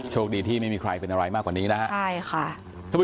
โชคดีที่ไม่มีใครเป็นอะไรมากกว่านี้นะฮะใช่ค่ะ